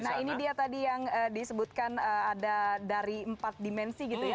nah ini dia tadi yang disebutkan ada dari empat dimensi gitu ya